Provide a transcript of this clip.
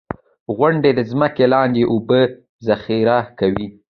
• غونډۍ د ځمکې لاندې اوبه ذخېره کوي.